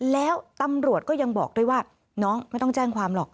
แล้วตำรวจก็ยังบอกด้วยว่าน้องไม่ต้องแจ้งความหรอก